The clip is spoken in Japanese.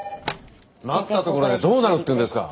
待ったところでどうなるっていうんですか？